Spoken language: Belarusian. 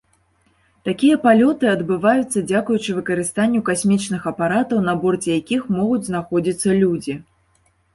Такія палёты адбывацца, дзякуючы выкарыстанню касмічных апаратаў, на борце якіх могуць знаходзіцца людзі.